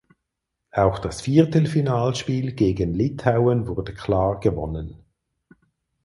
Auch das Viertelfinalspiel gegen Litauen wurde klar gewonnen.